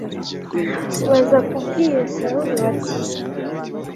baza kubwira sawuli, bati